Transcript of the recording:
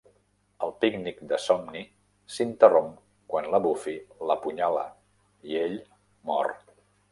El pícnic de somni s'interromp quan la Buffy l'apunyala i ell mor.